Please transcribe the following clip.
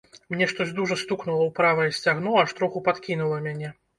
Мяне штось дужа стукнула ў правае сцягно, аж троху падкінула мяне.